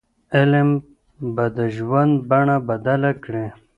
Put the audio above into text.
علم به د ژوند بڼه بدله کړي.